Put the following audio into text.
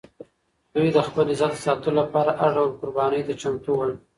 دوی د خپل عزت د ساتلو لپاره هر ډول قربانۍ ته چمتو ول.